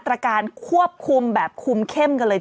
แล้วไปซักมาเหรอ